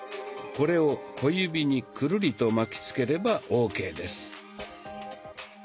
これを小指にくるりと巻きつければＯＫです。